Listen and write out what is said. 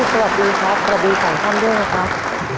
สวัสดีครับสวัสดีสองท่านด้วยนะครับ